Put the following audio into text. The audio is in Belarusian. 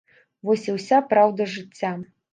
Вось і ўся праўда жыцця.